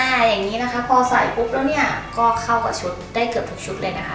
อย่างนี้นะคะพอใส่ปุ๊บแล้วเนี่ยก็เข้ากับชุดได้เกือบทุกชุดเลยนะคะ